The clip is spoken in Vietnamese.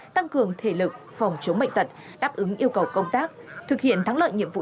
tăng cường thể lực phòng chống bệnh tật đáp ứng yêu cầu công tác thực hiện thắng lợi nhiệm vụ